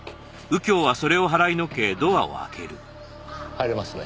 入れますね。